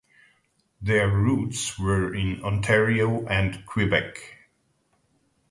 Their roots were in Ontario and Quebec.